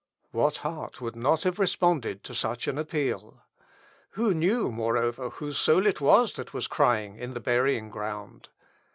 What heart would not have responded to such an appeal? Who knew, moreover, whose soul it was that was crying in the burying ground?